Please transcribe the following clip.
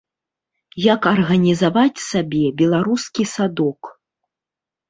Як арганізаваць сабе беларускі садок.